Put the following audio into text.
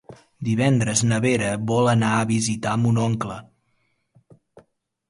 Divendres na Vera vol anar a visitar mon oncle.